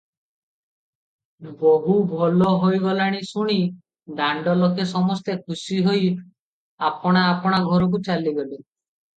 ବୋହୂ ଭଲ ହୋଇଗଲାଣି ଶୁଣି ଦାଣ୍ଡଲୋକେ ସମସ୍ତେ ଖୁସି ହୋଇ ଆପଣା ଆପଣା ଘରକୁ ଚାଲିଗଲେ ।